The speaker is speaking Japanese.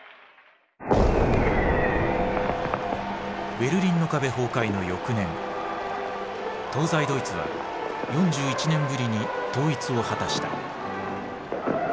ベルリンの壁崩壊の翌年東西ドイツは４１年ぶりに統一を果たした。